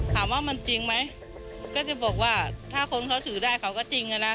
ถามว่ามันจริงไหมก็จะบอกว่าถ้าคนเขาถือได้เขาก็จริงอะนะ